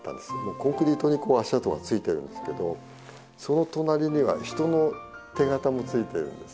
コンクリートにこう足跡がついてるんですけどその隣には人の手形もついてるんです。